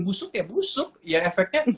busuk ya busuk ya efeknya